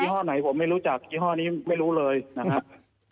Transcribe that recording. ห้องไหนผมไม่รู้จักยี่ห้อนี้ไม่รู้เลยนะครับ